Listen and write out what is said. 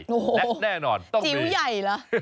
และแน่นอนต้องมีจิ๋วใหญ่เหรอ